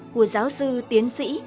của giáo sư tiến sĩ